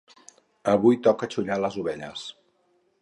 Avui toca xollar les ovelles.